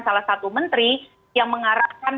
salah satu menteri yang mengarahkan